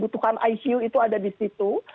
butuhkan icu itu ada di situ